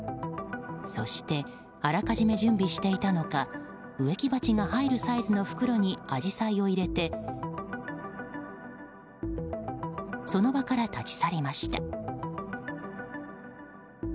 そしてあらかじめ準備していたのか植木鉢が入るサイズの袋にアジサイを入れてその場から立ち去りました。